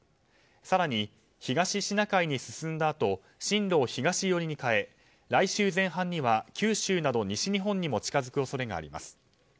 更に、東シナ海に進んだあと進路を東寄りに変え来週前半には九州など西日本にも近づく恐れがあります。